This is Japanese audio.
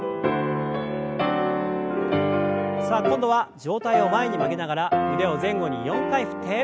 さあ今度は上体を前に曲げながら腕を前後に４回振って。